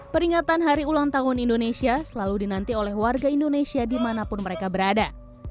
peringatan hari ulang tahun indonesia selalu dinanti oleh warga indonesia dimanapun mereka berada